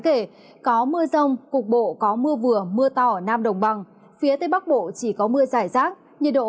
kể có mưa rông cục bộ có mưa vừa mưa tỏ nam đồng bằng phía tây bắc bộ chỉ có mưa rải rác nhiệt độ